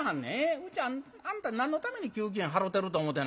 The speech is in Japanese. うちはあんた何のために給金払てると思てなはんねん。